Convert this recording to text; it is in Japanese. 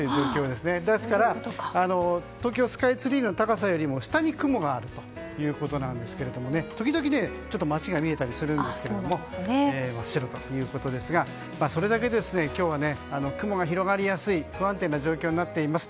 ですから東京スカイツリーの高さよりも下に雲があるということなんですが時々街が見えたりするんですが真っ白ということでそれだけ雲が広がりやすい不安定な状況になっています。